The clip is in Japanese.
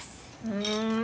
うん